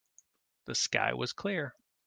The sky was clear.